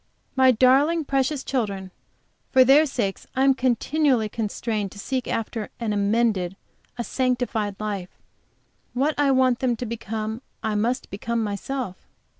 My darling, precious children! For their sakes I am continually constrained to seek after an amended, a sanctified life; what I want them to become I must become myself.